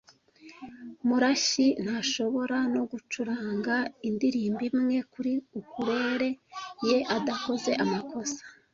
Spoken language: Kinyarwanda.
Murashyi ntashobora no gucuranga indirimbo imwe kuri ukulele ye adakoze amakosa.